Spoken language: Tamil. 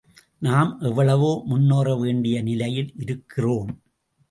நாம் எவ்வளவோ முன்னேற வேண்டிய நிலையில் இருக்கிறோம்.